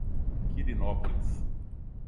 Quirinópolis